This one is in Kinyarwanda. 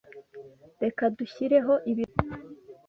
Reka dushyireho ibirori.